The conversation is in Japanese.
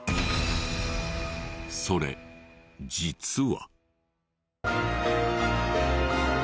それ実は。